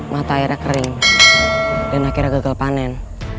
mata airnya kering dan akhirnya gagal panen